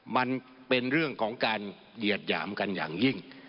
มันเป็นเรื่องของการเหยียดหยามกันอย่างยิ่ง